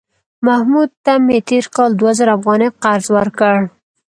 محمود ته مې تېر کال دوه زره افغانۍ قرض ورکړ